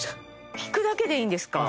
引くだけでいいんですか？